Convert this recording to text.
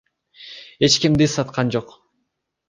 Эч кимди саткан жок.